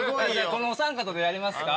このお三方でやりますか。